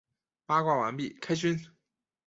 八卦完毕，开勋！